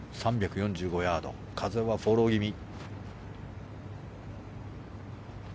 ３４５ヤード風はフォロー気味。